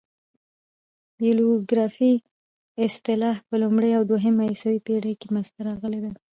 بیبلوګرافي اصطلاح په لومړۍ او دوهمه عیسوي پېړۍ کښي منځ ته راغلې ده.